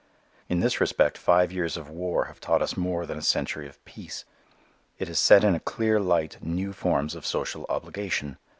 In this respect five years of war have taught us more than a century of peace. It has set in a clear light new forms of social obligation.